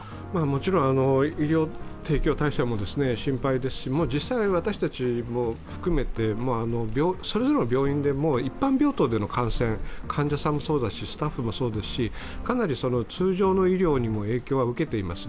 もちろん医療提供体制も心配ですし、実際私たちも含めてそれぞれの病院で一般病棟での感染者、患者さんもそうですしスタッフもそうですし、かなり通常の医療にも影響は受けています。